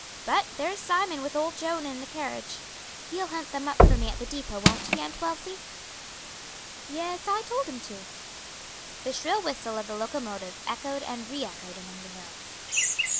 But there's Simon with old Joan and the carriage. He'll hunt them up for me at the depot; won't he, Aunt Wealthy?" "Yes, I told him to." The shrill whistle of the locomotive echoed and re echoed among the hills.